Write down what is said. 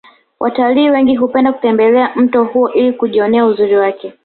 watalii wengi hupenda kutembelea mto huo ili kujionea uzuri wake